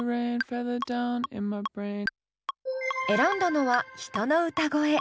選んだのは人の歌声。